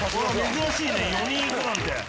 珍しいね４人行くなんて。